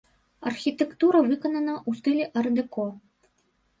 Архітэктура выканана ў стылі ар-дэко.